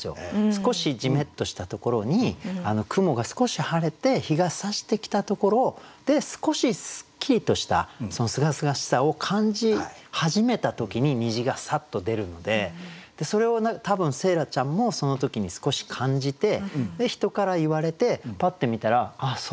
少しじめっとしたところに雲が少し晴れて日がさしてきたところで少しすっきりとしたすがすがしさを感じ始めた時に虹がサッと出るのでそれを多分星来ちゃんもその時に少し感じてで人から言われてパッて見たら「あっそっか」と。